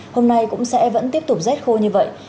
hôm nay cũng sẽ vẫn tiếp tục rét khô như vậy